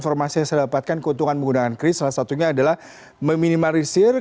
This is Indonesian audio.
pertama bahwa pada dasarnya pedagang itu kalau dalam posisi usahanya bagus tentunya kita akan memberikan